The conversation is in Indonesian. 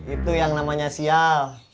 itu yang namanya sial